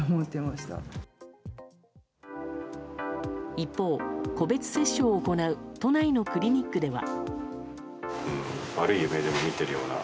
一方、個別接種を行う都内のクリニックでは。